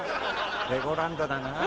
レゴランドだなぁ。